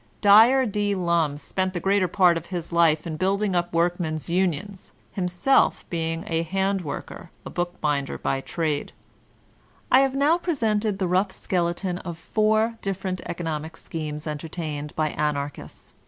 Dyer D. Lum spent the greater part of his life in building up workmen's unions^ himself being m band worker^ a book binder by trade. 112 VOLTAIRINB DB ClEYSB I have now presented the rough skeleton of four differ ent economic schemes entertained by Anarchists.